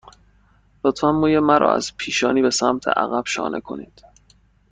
لطفاً موی مرا از پیشانی به سمت عقب شانه کنید.